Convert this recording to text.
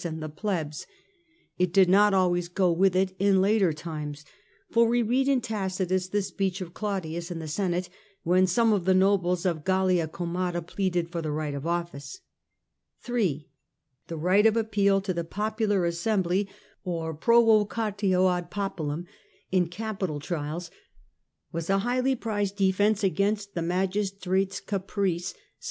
and the piebs. It did not always go with it in later times, for we read in Tacitus the speech of Claudius in the Senate when some of the nobles of Gallia Comata pleaded for the right of office. 3. The right of appeal to the popular assembly, or A,H. N 178 The Earlier Empire, provocatio ad popuhini^ in capital trials, was a highly 3. Right of prized defence against the magistrate's caprice, appeal.